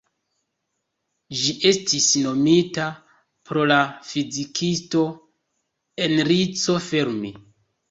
Ĝi estis nomita pro la fizikisto, Enrico Fermi.